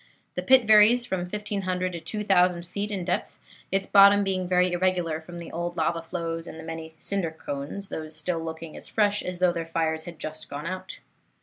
The pit varies from 1500 to 2000 feet in depth, its bottom being very irregular from the old lava flows and the many cinder cones, these still looking as fresh as though their fires had just gone out.